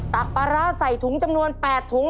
ักปลาร้าใส่ถุงจำนวน๘ถุง